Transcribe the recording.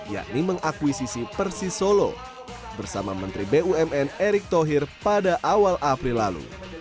yakni mengakuisisi persisolo bersama menteri bumn erick thohir pada awal april lalu